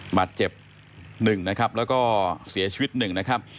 บาดเจ็บ๑นะครับแล้วก็เสียชีวิตหนึ่งนะครับ